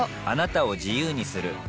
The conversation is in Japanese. あなたを自由にする